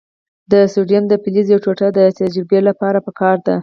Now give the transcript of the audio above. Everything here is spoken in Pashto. د سوډیم د فلز یوه ټوټه د تجربې لپاره پکار ده.